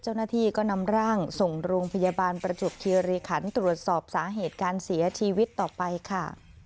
เจ้าหน้าที่ก็นำร่างส่งโรงพยาบาลประจวบคิริขันตรวจสอบสาเหตุการเสียชีวิตต่อไปค่ะ